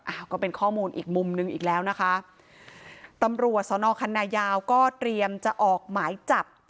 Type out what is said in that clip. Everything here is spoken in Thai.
ก็เป็นข้อมูลอีกมุมนึงอีกแล้วนะคะตำรวจสอนอคันนายาวก็เตรียมจะออกหมายจับ